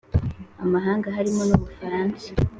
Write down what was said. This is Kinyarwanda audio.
. Amahanga, harimo n'u Bufaransa